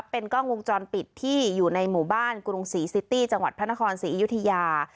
เป็นกล้องวงจรปิดที่อยู่ในหมู่บ้านกรุงศรีซิตี้จังหวัดพระนครศรีอยุธยา